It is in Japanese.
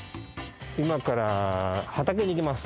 今から畑に行きます。